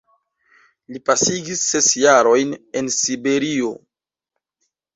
Li pasigis ses jarojn en Siberio.